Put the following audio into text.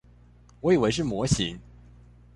我以為是模型